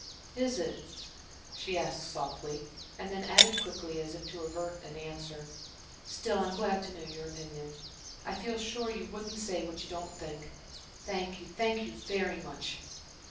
"Is it," she asked softly, and then added quickly, as if to avert an answer, "still, I'm glad to know your opinion. I feel sure you wouldn't say what you don't think. Thank you thank you very much."